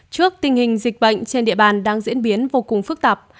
trước tình hình dịch bệnh trên địa bàn đang diễn biến vô cùng phức tạp